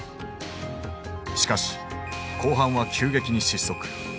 しかし後半は急激に失速。